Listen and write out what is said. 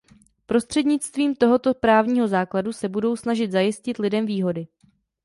Prostřednictvím tohoto právního základu se budou snažit zajistit lidem výhody.